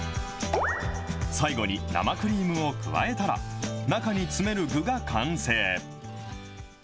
最後に生クリームを加えたら、中に詰める具が完成。